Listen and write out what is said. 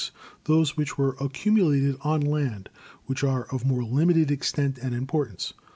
164 GEOLOGY those which were accumulated on land, which are of more limited extent and importance.